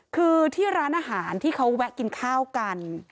คือที่ร้านอาหารที่เขาแวะกินข้าวกัน